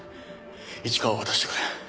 市川を渡してくれ。